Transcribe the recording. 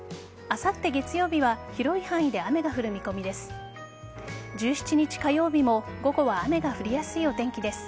あさって月曜日は広い範囲で雨が降る見込みです。